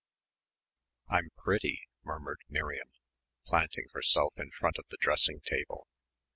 "I'm pretty," murmured Miriam, planting herself in front of the dressing table.